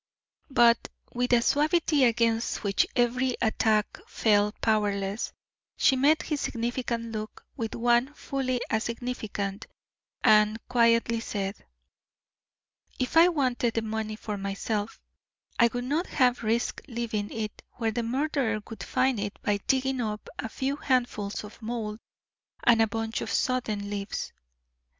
But with a suavity against which every attack fell powerless, she met his significant look with one fully as significant, and quietly said: "If I had wanted the money for myself I would not have risked leaving it where the murderer could find it by digging up a few handfuls of mould and a bunch of sodden leaves.